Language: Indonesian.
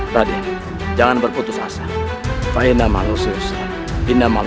raden jangan berputus asa